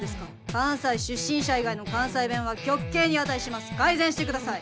関西出身者以外の関西弁は極刑に値します改善してください